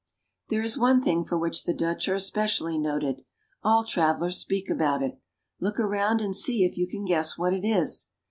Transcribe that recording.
There is one thing for which the Dutch are especially noted. All travelers speak about it. Look around and see if you can guess what it is